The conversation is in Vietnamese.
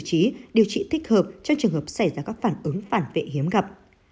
trí điều trị thích hợp trong trường hợp